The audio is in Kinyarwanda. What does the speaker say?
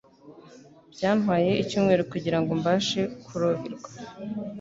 Byantwaye icyumweru kugirango mbashe koroherwa.